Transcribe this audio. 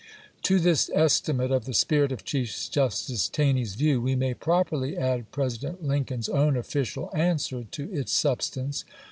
To this estimate of the spirit of Chief Justice Taney's view we may properly add President Lin coln's own official answer to its substance.